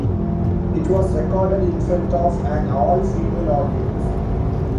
It was recorded in front of an all-female audience.